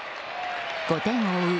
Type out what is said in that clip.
５点を追う